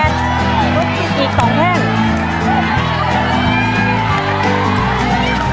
ช่วยสีตูดให้ลุก